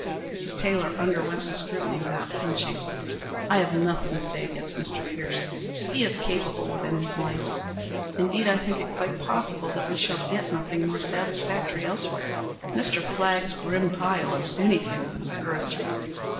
Mrs. Taylor underwent the scrutiny without flinching. "I have nothing to say against Mr. Pierce. He is capable within his lights. Indeed I think it quite possible that we shall get nothing more satisfactory elsewhere. Mr. Flagg's grim pile is anything but encouraging.